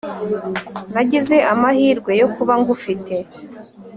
nagize amahirwe yo kuba ngufite.